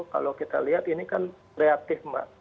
kalau kita lihat ini kan reaktif mbak